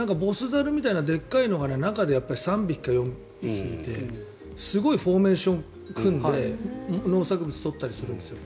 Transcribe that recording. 猿みたいなでっかいのが中に３匹から４匹いてすごいフォーメーションを組んで農作物取ったりするんですよ。